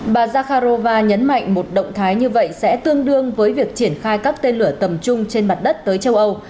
bà zakharova nhấn mạnh một động thái như vậy sẽ tương đương với việc triển khai các tên lửa tầm trung trên mặt đất tới châu âu